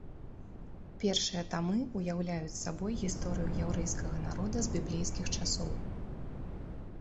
Першыя тамы ўяўляюць сабой гісторыю яўрэйскага народа з біблейскіх часоў.